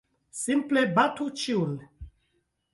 Simple batu ĉiun!